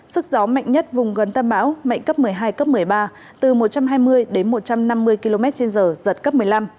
sức gió mạnh nhất vùng gần tâm bão mạnh cấp một mươi hai cấp một mươi ba từ một trăm hai mươi đến một trăm năm mươi km trên giờ giật cấp một mươi năm